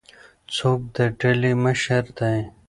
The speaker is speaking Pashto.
څوک د ډلي مشر دی؟